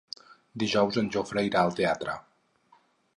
Dijous en Jofre irà al teatre.